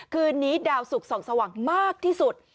คืนนี้ดาวสุขส่องสว่างมากที่สุด